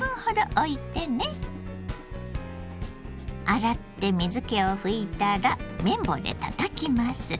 洗って水けを拭いたら麺棒でたたきます。